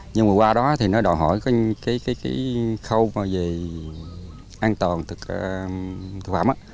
nhưng mà qua đó thì nó đòi hỏi cái khâu về an toàn thực phẩm á